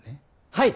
はい！